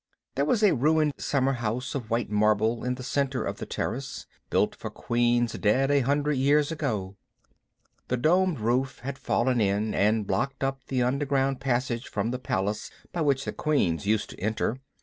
There was a ruined summer house of white marble in the center of the terrace, built for queens dead a hundred years ago. The domed roof had half fallen in and blocked up the underground passage from the palace by which the queens used to enter.